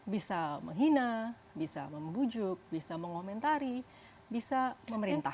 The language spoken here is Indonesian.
bisa menghina bisa membujuk bisa mengomentari bisa memerintah